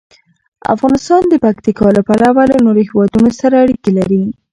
افغانستان د پکتیکا له پلوه له نورو هېوادونو سره اړیکې لري.